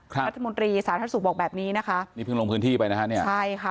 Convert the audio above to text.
รัฐมนตรีสาธารณสุขบอกแบบนี้นะคะนี่เพิ่งลงพื้นที่ไปนะฮะเนี่ยใช่ค่ะ